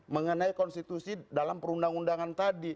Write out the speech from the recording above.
mengenai konstitusi dalam perundang undangan tadi